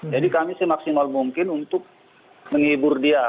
jadi kami semaksimal mungkin untuk menghibur dia